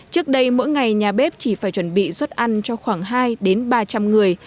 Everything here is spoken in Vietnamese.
trước đây mỗi ngày nhà bếp chỉ phải chuẩn bị xuất ăn cho khoảng hai đến ba trăm linh người